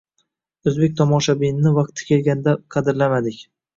O‘zbek tomoshabinini vaqti kelganda qadrlamadik.